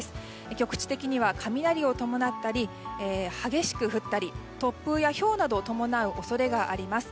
局地的には雷を伴ったり激しく降ったり突風やひょうなどを伴う恐れがあります。